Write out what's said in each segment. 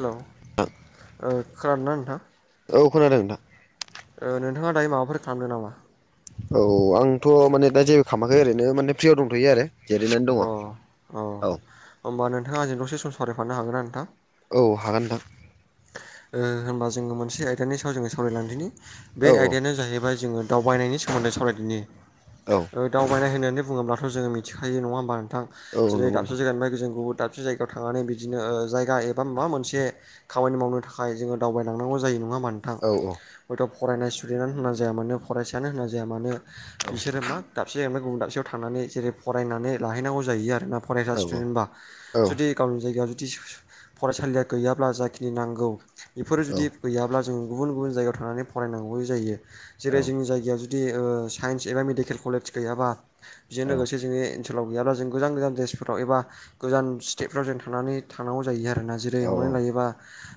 Hello औ ओ खोनादोना नोंथां? औ खोनादों नोंथां। ओ नोंथाङा दायो माबाफोर खालामदों नामा? औ आंथ' माने दा जेबो खालामाखै ओरैनो माने फ्रियाव दंथ'यो आरो जिरायनानै दङ औ। होमबाोंथाङा आंजों दसे समावरायफानो हागोन नोंथां? औ हागोन नोंथां ओ होनबा जोङो मोनसे आयदानि सायाव जोङो सावरायलां दिनि बे औ आयदायानो जाहैबाय जोङो दावबायनायनि सोमोन्दै सावरायदिनि औ। ओ दावबायनाय होननानै बुङोब्ला' जोङो मिथिखायो नङा होमबा नोंथां औ जेरै नंगौ दाबसे नोंथां जायगानिफ्राय जों गुबुन दाबसे जायगायाव थांनानै बिदिनो ओ जायगा एबा माबा मोनसे खामानि मावनो थाखाय थाखाय जोङो दावबायलांनांगौ जायो नङा होनबा नोंथां? औ हयथ' फरायनाय स्टुडेन्टानो होनना जाया मानो फरायसायानो होनना जाया मानो बिसोरो मा दाबसे जाहैबाय गुबुन दाबसेयाव थांनानै जेरै फरायनानै लाहैनांगौ जायो आरोना फरायसा औ स्टुडेन्टबा जुदि औ गावनि जायगायाव जुदि फरायसालिया गैयाब्ला जाखिनि नांगौ बेफोरो जुदि गैयाब्ला जों गुबुन गुबुन जायगायाव थानानै फरायनांगौ जायो औ जेरै जोंनि जायगायाव जु जुदि ओ साइन्स एबा मेडिकेल कलेज गैयाबा बेजों लोगोसे जोंनि ओनसोलाव गैयाब्ला जों गोजान गोजान देसफोराव एबा गोजान स्टेफ्राव जों थांनानै थानांगौ जायो आरोना औ नंगौ नोंथां औ औ जेरै नंगौ नोंथां औ हमनानै औ लायोबा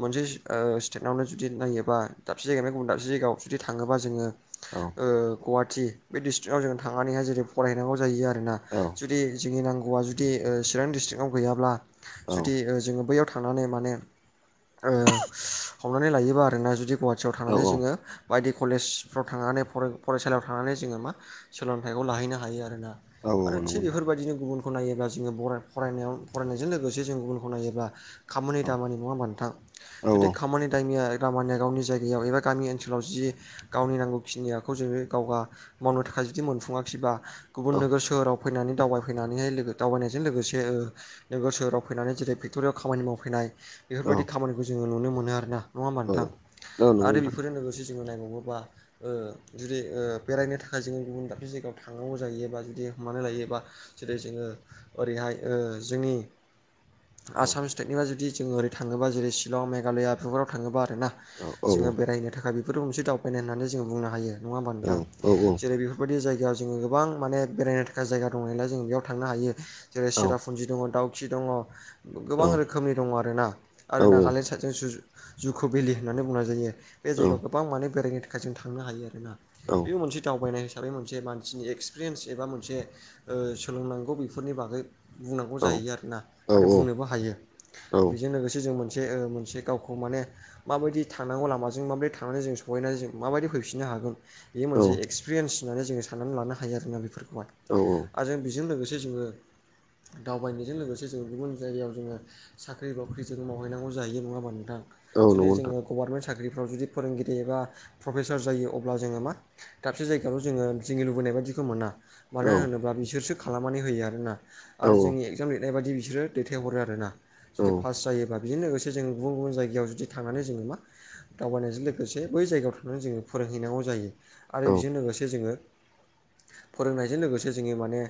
मोनसे ओ स्टेआवनो जुदि नायोबा दाबसे जायगायावानिफ्राय गुबुन दाबसे जायगायाव जुदि थाङोबा जोङो औ। ओ गवाहाटि बेडि स्ट्रिकटआव जों थांनानैहाय जेरै फरायनांगौ जायो आरो आरोना औ जुदि जोंनि नांगौआ जुदि ओ चिरां डिस्ट्रिकआव गैयाब्ला जुदि ओ जोङो बैयाव थांनानै माने ओ हमनानै लायोबा आरोना जुदि गवाटियाव थांनानै जोङो बायदि कलेजफ्राव थांनानै फरा-फरायसालियाव थांनानै जोङो मा सोलोंथाइखौ लाहैनो हायो आरो ना आरो नंगौ थिग नोंथां बेफोरबायदिनो गुबुन खौ नायोबा जोङो बराय फरायनायाव फरायनायजों लोगोसे जों गुबुनखौ नायोब्ला खामानि दामानि नङा होमबा नोंथां। जुदि खामानि दामिया-दामानिया गावनि जायगायाव एबा गामि ओनसोलाव जि गावनि नांगौखिनियाखौ जोङो गावगा मावनो थाखाय जुदि मोनफुङाखिबा गुबुन नोगोर सोहोराव फैनानै दावबाय फैनानैहाय लोगो दावबायनायजों लोगोसे ओ नोगोर सोहोराव फैनानै जेरै फेक्ट'रियाव खामानि मावफैनाय बेफोरबायदि खामानिखौ जोङो नुनो मोनो आरोना नङा होमबा नोंथां आरो बेफोरजों लोगोसे जोङो नायबावोबा ओ जुदि ओ बेरायनो थाखाय जोङो गुबुन दाबसे जायगायाव थांनांगौ जायोबा जुदि हमनानै लायोबा जेरै जोङो ओरैहाय ओ-जोंनि आसाम स्टेटनिफ्राया जुदि जों ओरै थाङोबा जेरै शिलं मेघालया बेफोराव थाङोबा आरो ना। जोङो बेरायहनो थाखाय बेफोरखौ मोनसे दावबायनो होननानै जोङो बुंनो हायो नङा होमबा नोंथां जेरै बेफोर बेफोरबायायदि जायगायाव ज गोबां म बेरायनो थाखाय जाया दंनायालाय जों बेयावांनो हायो जेरै सेराप भुन्जि दङ दाउखि दङ गोबां रोखोमनि दङ आर ना आरो ना नालेण्ड साइडजों ज-जुकु भेलि होननानै बुंनाय जायो बे जायगायाव गोबां माने बेरायनो थाखाय जों थांनो हायो आरोना। औ बेबो मोनसे दावबायनाय हिसाबै मोनसे मानसिनि एक्सपिरियेन्स एबा मोनसे ओ-सोलोंनांगौ बेफोरनि बागै बुंनांगौ जाहैयो आरोना आरो बुंनोबो हायो बेजों लोगोसे जों मोनसे ओ-मोनसे गावखौ माने माबायदि थांनांगौ लामाजों माबोरदि थांनानै जों सहैनानै जों माबायदि फैफिननो हागोन। बे मोनसे एक्सपिरियेन्स होननानै जोङो साननानै लानो हायो आरोना बेफोरखौहाय। औ औ आरो जों बेजों लोगोसे जोङो दावबायनायजों लोगोसे जोङो गुबुन जायगायाव जोङो साख्रि बाख्रिजों माव सहैनांगौ जायो नङाबा नोंथां जुदि जोङो। गभारनमेन्ट साख्रिफ्राव जुदि फोरोंगिरि एबा प्रफेसार जायो अब्ला जोङो मा दाबसे जायगायावल' जोङो जोंङनि लुबैनाय बायदिखौ मोना। मानो होनोब्ला बिसोरसो खालामनानै होयो आरोना औ आरो जोंनि एगजाम लिरनाय बायदि बिसोरो दैथाय हरो आरोना। जुदि औ फास जायो बेजों लोगोसे जों गुबुन गुबुन जायगायाव जुदि थांनानै जोङो मा? दावबायनायजों लोगोसे बै जायगायाव थांनानै जोङो फोरोंहैनांगौ जायो औ आरो बेजों लोगोसे जोङो फोरोंनायजों लोगोसे जोङो माने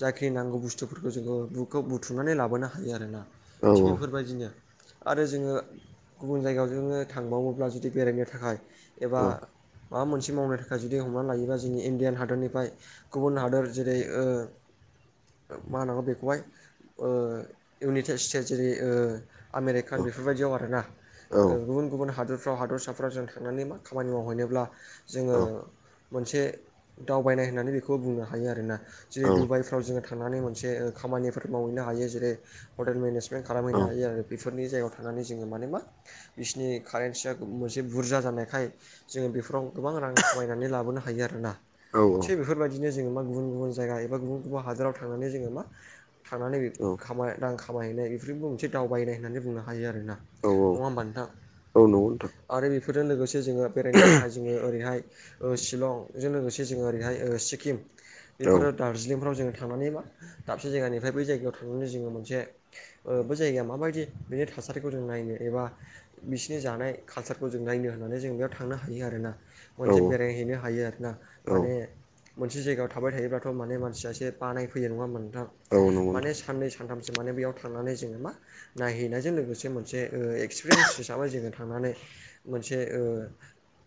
जाखिनि नांगौ बुस्थुफोरखौ जोङो बुखौ बुथुमनानै लाबोनो हायो आरोना। थिग बेफोरबायदिनो आरो जोङो गुबुन जायगायाव जोङो थांबावोब्ला जुदि बेरायनो थाखाय एबा माबा मोनसे मावनो थाखाय जुदि हमनानै लायोबा जोंनि इण्डियान हादरनिफ्राय गुबुन हादोर जेरै ओ- मा होनांगौ बेखौहाय ओ-इउनाइटेड स्टेट जेरै ओ- आमेरिकान बेफोरबायदियाव आरोना। ओ-गुबुन गुबुन हादरफ्राव हादरसाफ फोराव जों थांनानै मा खामानि मावहैनोब्ला जोङो मोनसे दावबायनाय होननानै बेखौ बुंनो हायो आरोना। जेरै डुबाइफ्राव जोङो था थांनानै मोनसे ओ-खामानिफोर मावहैनो हायो जेरै हटेल मेनेजमेन्ट खालामहैनो हायो आरो। बेफोरनि जायगायाव थांनानै जोङो माने मा? बिसिनि कारेन्सिया मोनसे बुरजा जानायखाय जोङो बेफोराव गोबां रां खामायनानै लाबोनो हायो आरोना। थिग बेफोरबाय दिनो जोङो मा गुबुन गुबुन जायगा एबा गुबुन गुबुन हादोराव थांनानै जोङो मा थांनानै औ खाम रां खामायहैनाय बेफोरबो मोनसे दावबायनाय होननानै बुंनो हायो आरोना। औ नङा होनबा नोंथां। नंगौ नोंथां आरो बेफोरजों लोगोसे जोङो बेरायनो थाखाय जोङो ओरैहाय ओ- शिलंजों लोगोसे जोङो ओरैहाय सिकिम औ बेफोरो दार्जिलिंफ्राव जोङो थांनानै मा दाबसे जायगानिफ्राय बै जायगायाव थांनानै जोङो मोनसे ओ बै जायगाया माबायदि बेनि थासारिखौ जों नायनो एबा बिसिनि जानाय कालसारखौ जों नायनो होननानै जों बेयाव थांनो हायो आरोना औ खनसे बेरायहैनो हायो आरोना औ माने मोनसे जायगायाव थाबाय थायोब्लाथ' माने मानसिया एसे बानायफैयो नङा होनबा नोंथां औ नंगौ माने नोंथां साननै सानथामसो माने बेयाव थांनानै जोङो मा? नायहैनायजों लोगोसे मोनसे एक्सपिरियेन्स हिसाबै जोङो थांनानै मोनसे ओ-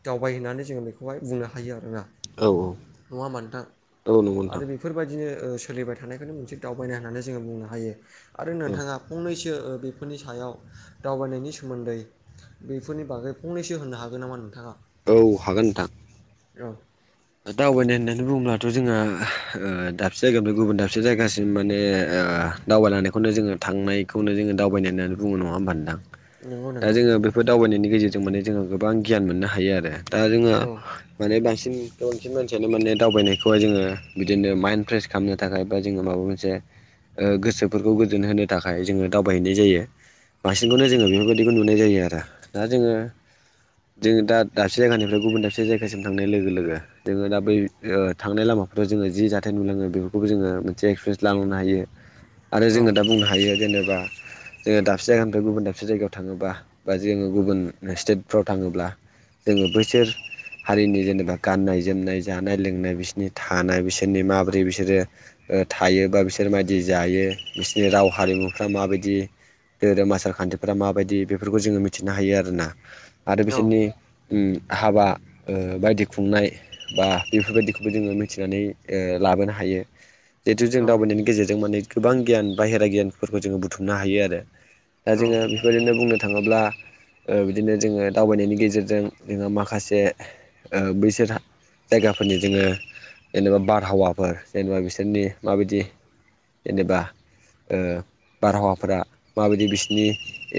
दावबाय होननानै जोङो बेखौहाय बुंनो हायो आरोना नङा औ होनबा नोंथां औ नंगौ नोंथां आरो- फोरबायदि ओ सोलिबाय थानायखौनो मोनसे दावबायनाय होननानै जोङो बुंनो हायो आरो औ नोंथाङा फंनैसो बेफोरनि सायाव दावबायनायनि सोमोन्दै बेफोरनि बागै फंनैसो होनो हागोन नामा नोंथाङा? औ हागोन नोंथां। औ। दावबायनाय होननानै बुङोब्लाथ' जोंहा ओ दाबसे जायगानिफ्राय गुबुन दाबसे जायगासिम माने ओ दावबायलांनायखौनो जोङो थांनायखौनो जोङो दावबायनाय होननानै बुङो नङा होनबा नोंथां। नंगौ दा नंगौ जोङो बेफोर दावबायनायनि गेजेरजों माने जोङो गोबां गियान मोननो हायो आरो दा जोङो औ माने बांसिन गोबांसिन मानसियानो माने दावबायनायखौहाय जोङो बिदिनो माइन्द फ्रेस खालामनो थाखाय बा जोङो माबा मोनसे ओ गोसोफोरखौ गोजोन होनो थाखाय जोङो दावबायहैनाय जायो। बांसिनखौनो जोङो बेफोरबायदिखौ नुनाय जायो आरो दा जोङो जोङो दा दाबसे जायगानिफ्राय गुबुन दाबसे जायगासिम थांनाय लोगो लोगो जोङो दा बै ओ थांनाय लामाफ्राव जोङो जि जाथाय नुलाङो बेफोरखौबो जोङो मोनसे एक्सपिरियेन्स लालांनो हायो। [inaudible] आरो जोङो दा बुंनो हायो जेनेबा जोङो दाबसे जायगानिफ्राय गुबुन दाबसे जायगायाव थाङोबा बा जोङो गुबुन स्टेटफ्राव थाङोब्ला जोङो बैसोर हारिनि जेनेबा गाननाय जोमनाय जानाय लोंनाय बिसोरनि थानाय बिसोरनि माबोरै बिसोरो ओ थायो बा बिसोर मायदि जायो बिसोरनि राव हारिमुफ्रा माबायदि धोरोम आसार खान्थिफोरा माबायदि बेफोरखौ जोङो मिथिनो हायो आरोना। आरो औ बिसोरनि उम हाबा ओ बायदि खुंनाय बा बेफोरबायदिखौबो जोङो मिथिनानै ओ लाबोनो हायो। जिहेतु जों औ दावबायनायनि गेजेरजों माने गोबां गियान बाहेरा गियानफोरखौ जोङो बुथुमनो हायो आरो। दा औ जोङो ओरैनो बुंनो थाङोब्ला ओ बिदिनो जोङो दावबायनायनि गेजेरजों जोङो माखासे ओ बैसोरहा जायगाफोरनि जोङो जेनेबा बारहावाफोर जेनेबा बिसोरनि माबायदि जेनेबा ओ बारहावाफोरा माबायदि बिसिनि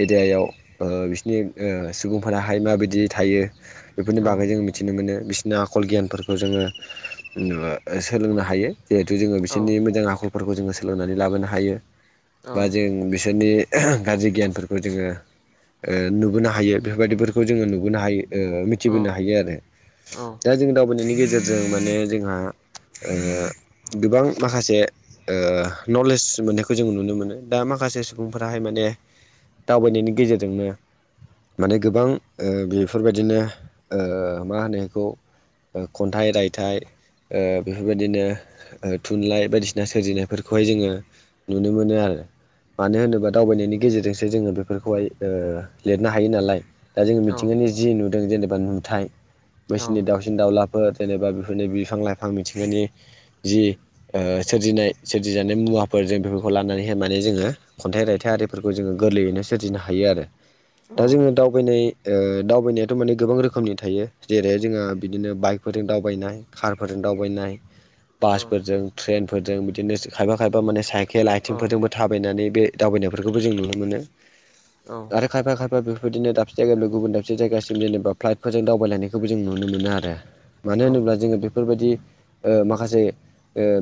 एरियायाव ओ बिसिनि ओ सुबुंफोराहाय माबायदि थायो बेफोरनि औ बागै जों मि थिनो मोनो बिसिनि आखल गियानफोरखौ जोङो [unintelligible] सोलोंनो हायो जिहेथु जोङो औ बिसोरनि मोजां आखल फोरखौ जोङो सोलोंनानै लाबोनो हायो औ बा जों बिसोरनि गाज्रि गियानफोरखौ जोङो ओ नुबोनो हायो बेफोरबायदिफोरखौ जोङो नुबोनो हायो। ओ मिथिबोनो हायो आरो दा जों [unintelligible] [unintelligible] नायनि गेजेरजों माने जोंहा ओ गोबां माखासे ओ नलेज मोन्नायखौ जों नुनो मोनो। दा माखासे सुबुंफोराहाय माने दावबायनायनि गेजेरजोंनो माने गोबां ओ बेफोरबायदिनो ओ मा होनो इखौ ओ खन्थाइ रायथाइ ओ बेफोरबायदिनो ओ थुनलाइ बायदिसिना सोरजिनायफोरखौहाय जोङो नुनो मोनो आरो। मानो होनोबा दावबायनायनि गेजेरजोंसो जोङो बेफोरखौहाय ओ लिरनो हायो नालाय। दा जोङो मिथिंगानि जि नुदों जेनेबा नुथाय [unintelligible] [unintelligible] दाउलाफोर जेनेबा बेफोरनि बिफां लाइफां मिथिंगानि जि ओ सोरजिनाय सोरजिजानाय मुवाफोर जों बेफोरखौ लानानैहाय माने जोङो खन्थाइ रायथाइ आरिफोरखौ जोङो गोरलैयैनो सोरजिनो हायो आरो। दा जोङो दावबायनाय ओ दावबायनायाथ' माने गोबां रोखोमनि थायो जेरैहाय जोंहा बिदिनो बाइकफोरजों दावबायनाय कारफोरजों दावबायनाय बासफोरजों ट्रेन फोरजों बिदिनो खायफा खायफा माने साइकेल आइथिंफोरजों बो थाबायनानै बे दावबायनायफोरखौबो जों नुनो मोनो औ आरो खायफा खायफा बेफोरबायदिनो दाबसे जायगाफोर गुबुन दाबसे जायगासि जेनेबा फ्लाइटफोरजों दावबायलायखौबो जों नुनो मोनो आरो आरो मानो होनोब्ला जोङो बे बेफोरबायदि ओ माखासे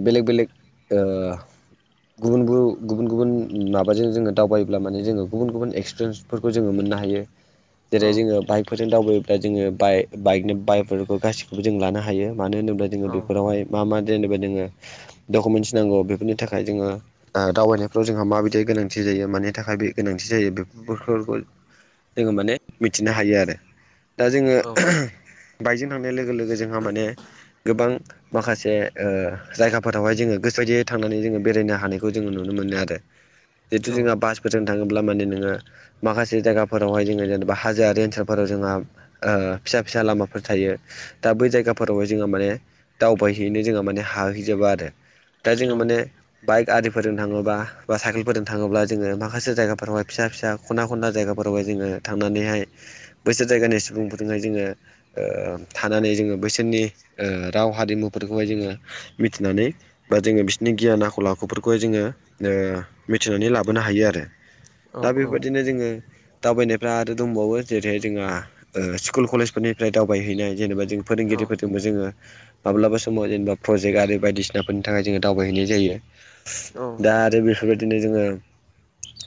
बेलेग बेलेग ओ गुबुन गुबुन गुबुन माबाजों जोङो दावबायोब्ला माने जोङो गुबुन गुबुन एक्सपिरियेन्स फोरखौ जोङो मोननो हायो जेरै जोङो बाइकफोरजों दावबायोब्ला जोङो बाइ बाइकनो बाइक बेफोरखौ गासिखौबो जों लानो हायो मानो होनोब्ला जोङो औ बेफोरावहाय मा मा जेनेबा जोङो डकुमेन्टस नांगौ बेफोरनि थाखाय जोङो दावबायनायफ्राव जोंहा माबायदि गोनांथि जायो मानि थाखाय बे गोनांथि जायो बेफोरखौ जोङो माने मिथिनो हायो आरो दा जोङो औ औ बाइकजों थांनाय लोगो लोगो जोंहा माने गोबां माखासे जायगाफोरावहाय जोङो गोसोबायदियै थांनानै जोङो बेरायनो हानायखौ जोङो नुनो मोनो आरो औ नंगौ जिहेतु जोंहा बासफोरजों थाङोब्ला माने नोङो माखासे जायगाफोरावहाय जोङो जेनेबा हाजोआरी ओनसोलफोराव जोंहा फिसा फिसा लामा फोर थायो दा बै जायगाफोरावहाय जोङो माने दावबायहैैनो जोङो माने हाहैजोबा आरो दा जोङो माने बाइक आरिफोरजों थाङोबा बा साइकेलफोरजों थाङोब्ला जोङो माखासे जायगाफोरावहाय फिसा-फिसा खनना खनला जायगाफोरावहाय जोङो थांनानैहाय बैसोर जायगानि सुबुंफोरजोंहाय जोङो ओ थानानै जोङो बैसोरनि ओ राव हारिमुफोरखौहाय जोङो मिथिनानै बा जोङो बिसोरनि गियान आखल आखुफोरखौहाय जोङो ओ मिथिनानै लाबोनो हायो आरो दा बेफोरबायदिनो जोङो दावबायनायफ्रा आरो दंबावो जेरैहाय जोंहा स्कुल कलेजफोरनि ओमफ्राय दावबायहैनाय जेनेबा जों फोरोंगिरिफोरजोंबो जोङो माब्लाबा समाव जेनेबा प्रजेक्ट आरो बायदिसिनाफोरनि थाखाय जोङो दावबायहैनाय जायो दा आरो बेफोरबायदिनो जोङो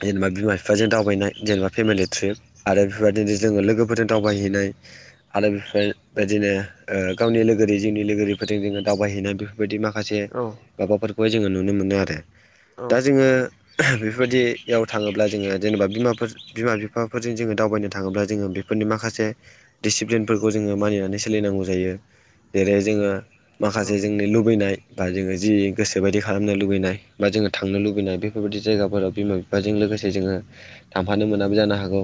जेनेबा बिमा बिफाजों दावबायनाय जेनेबा फेमिलि ट्रिप आरो बेबायदिनो जोङो लोगोफोरजों दावबायहैनाय आरो बे बेदिनो गावनि लोगोरि जिउनि लोगोरिफोरजों जोङो दावबायहैनाय बेफोरबायदि माखा माखासे माबाफोरखौहाय जोङो नुनो मोनो आरो दा जोङो बेफोरबायदियाव थाङोब्ला जोङो जेनेबा बिमाफोर बिमा बिफाफोरजों जोङो दावबायनो थाङोब्ला जोङो बेफोरनि माखासे दिसिप्लिन फोरफोरखौ जोङो मानिनानै सोलिनांगौ जायो जेरै जोङो माखासे जोंनो लुबैनाय बा जोङो जि गोसोबायदि खालामनो लुबैनाय बा जोङो थांनो लुबैनाय बेफोरबायदि जायगाफोराव बिमा बिफाजों लोगोसे जोङो थांफानो मोनाबो जानो हागौ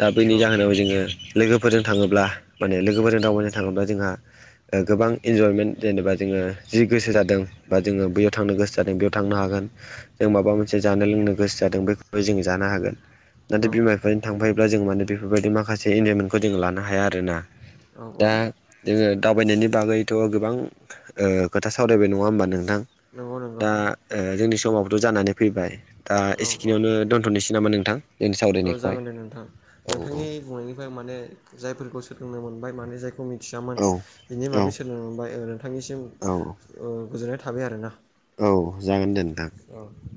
दा बेनि जाहोनाव जोङो लोगोफोरजों थाङोब्ला माने लोगोफोरजों दावबायनो थाङोब्ला जोंहा गोबां इन्जयमेन्ट जेनेबा जोङो जि गोसो जादों बा जोङो बैयाव थांनो गोसो जादों बेयाव थांनो हागोन। जों माबा मोनसे जानो लोंनो गोसो जादों बेखौबो जों जानो हागोन। नाथाय बिमा बिफाजों थांफायोब्ला जों माने बेफोरबायदि माखासे इन्जयमेन्टखौ जों लानो हाया आरो ना दा जोङो दावबायनायनि बागैथ' गोबां खोथा सावरायबाय नङा होमबा नोंथां नंगौ दा जोंनि समावथ' जानानै फैबाय दा औ एसेखिनियावनो दोन्थ'नोसै नामा नोंथां जोंनि औ सावरायनायखौहाय जागोन दे नोंथां औ नोंथांनि बुंनायनिफ्राय माने जायफोरखौ सोलोंनो मोनबाय माने जायखौ मि थियामोन औ बिनि औ बागै सोलोंबाय नोंथांनिसिम औ ओ गोजोननाय थाबाय आरोना औ जागोन दे नोंथां। अ